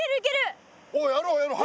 おっやろうやろう。